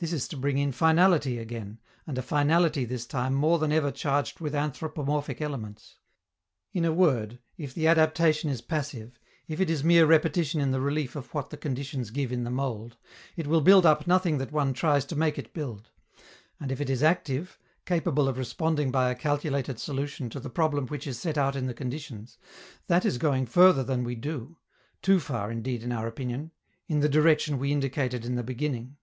This is to bring in finality again, and a finality this time more than ever charged with anthropomorphic elements. In a word, if the adaptation is passive, if it is mere repetition in the relief of what the conditions give in the mold, it will build up nothing that one tries to make it build; and if it is active, capable of responding by a calculated solution to the problem which is set out in the conditions, that is going further than we do too far, indeed, in our opinion in the direction we indicated in the beginning.